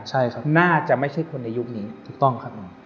ใช่ครับน่าจะไม่ใช่คนในยุคนี้ถูกต้องครับ